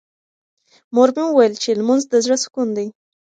مور مې وویل چې لمونځ د زړه سکون دی.